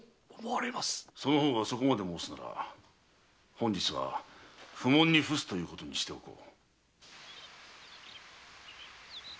その方がそこまで申すなら本日は不問に付すということにしよう。